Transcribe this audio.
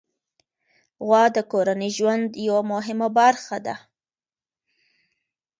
غوا د کورنۍ د ژوند یوه مهمه برخه ده.